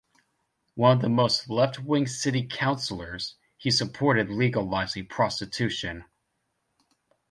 One of the most left wing city councillors, he supported legalizing prostitution.